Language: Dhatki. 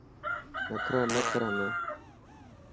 نکرا نه ڪر همي.